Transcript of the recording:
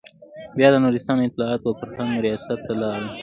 بيا د نورستان اطلاعاتو او فرهنګ رياست ته لاړم.